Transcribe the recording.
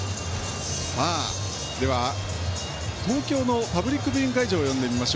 では、東京のパブリックビューイング会場を呼んでみます。